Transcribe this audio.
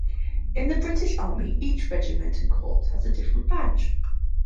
In the British Army, each regiment and corps has a different badge.